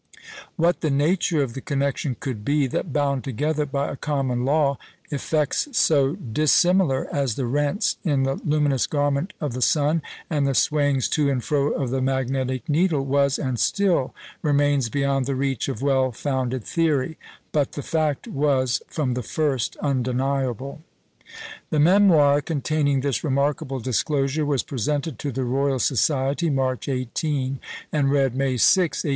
What the nature of the connection could be that bound together by a common law effects so dissimilar as the rents in the luminous garment of the sun, and the swayings to and fro of the magnetic needle, was and still remains beyond the reach of well founded theory; but the fact was from the first undeniable. The memoir containing this remarkable disclosure was presented to the Royal Society, March 18, and read May 6, 1852.